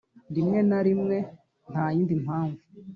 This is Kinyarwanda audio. rimwe na rimwe, nta yindi mpamvu